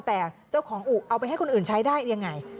แต่เจ้าของอู่เอาไปให้คนอื่นใช้ได้ยังไง